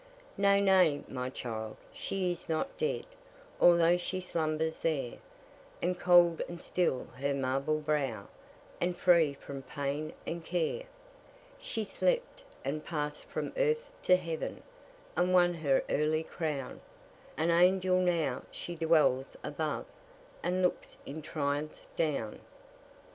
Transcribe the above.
Nay, nay, my child, she is not dead, Although she slumbers there, And cold and still her marble brow, And free from pain and care. She slept, and passed from earth to heaven, And won her early crown: An angel now she dwells above, And looks in triumph down.